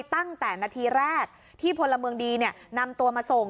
ตั้งแต่นาทีแรกที่พลเมืองดีนำตัวมาส่ง